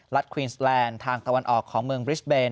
ควีนสแลนด์ทางตะวันออกของเมืองบริสเบน